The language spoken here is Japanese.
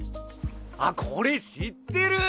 あっこれ知ってる！